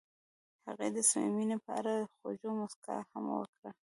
هغې د صمیمي مینه په اړه خوږه موسکا هم وکړه.